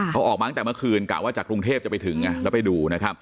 เขาออกมาตั้งแต่เมื่อคืนกะว่าจากกรุงเทพจะไปถึงแล้วไปดูนะครับ